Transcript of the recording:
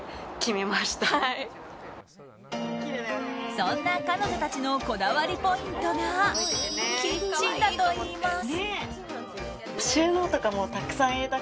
そんな彼女たちのこだわりポイントがキッチンだといいます。